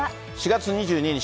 ４月２２日